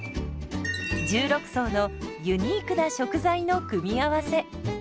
１６層のユニークな食材の組み合わせ。